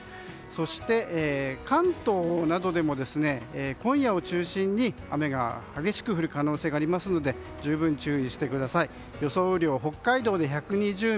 そして、関東などでも今夜を中心に雨が激しく降る可能性がありますので十分注意してください。